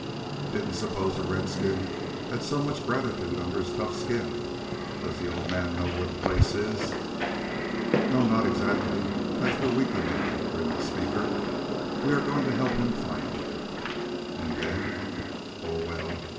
"Didn't suppose a redskin had so much gratitude under his tough skin. Does the old man know where the place is?" "No, not exactly. That's where we come in," grinned the speaker. "We are going to help him find it." "And then?" "Oh, well.